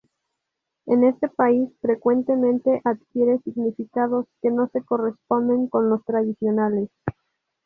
En este país frecuentemente adquiere significados que no se corresponden con los tradicionales.